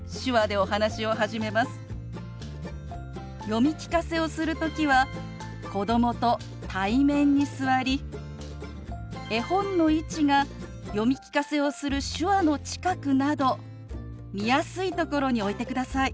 読み聞かせをする時は子どもと対面に座り絵本の位置が読み聞かせをする手話の近くなど見やすいところに置いてください。